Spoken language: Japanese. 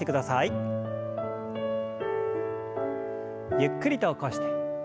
ゆっくりと起こして。